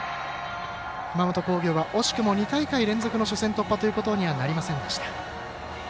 熊本工業は惜しくも２大会連続の初戦突破ということにはなりませんでした。